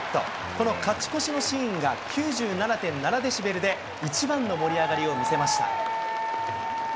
この勝ち越しのシーンが９７．７デシベルで１番の盛り上がりを見せました。